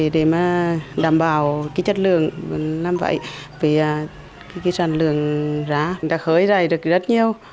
để đảm bảo chất lượng làm vẫy vì sản lượng rải đã khởi rải được rất nhiều